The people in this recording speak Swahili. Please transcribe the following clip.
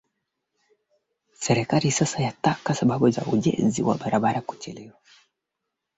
za kutoka kutoka kwa european union